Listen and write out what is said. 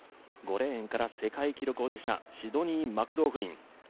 ５レーンから世界記録保持者、シドニー・マクローフリン。